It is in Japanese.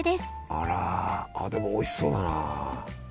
あらあでもおいしそうだな。